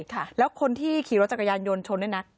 ค่ะแล้วคนที่ขี่รถจักรยานยนต์ชนด้วยนะ